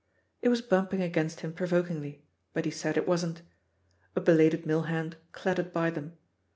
It was bumping against him provokingly, but he said it wasn't. A belated mill hand clattered by them.